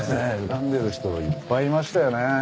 恨んでる人いっぱいいましたよねえ。